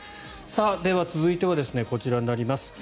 では続いてはこちらになります。